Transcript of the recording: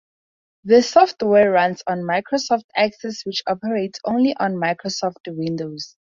The software runs on Microsoft Access which operates only on Microsoft Windows.